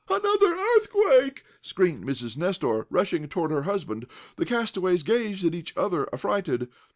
"Another earthquake!" screamed Mrs. Nestor, rushing toward her husband. The castaways gazed at each other affrighted.